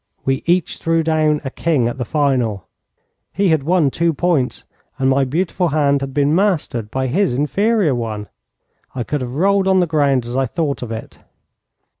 We each threw down a king at the final. He had won two points, and my beautiful hand had been mastered by his inferior one. I could have rolled on the ground as I thought of it.